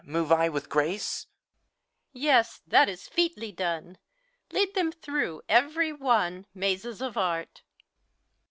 Move I with grace t HELENA. Yes, that is featly done: Lead them through, every <mef Mazes of art!